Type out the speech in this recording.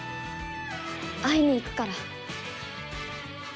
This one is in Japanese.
いに行くから。